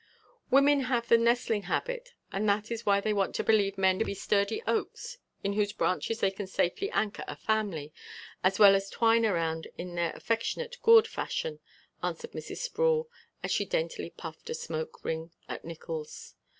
"Women have the nestling habit and that is why they want to believe men to be sturdy oaks in whose branches they can safely anchor a family as well as twine around in their affectionate gourd fashion," answered Mrs. Sproul, as she daintily puffed a smoke ring at Nickols.